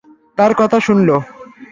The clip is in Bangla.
তার কথা শুনল।